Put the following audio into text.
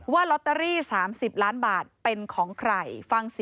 ว่าลอตเตอรี่๓๐ล้านบาทเป็นของใคร